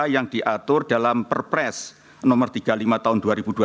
yang diatur dalam perpres nomor tiga puluh lima tahun dua ribu dua puluh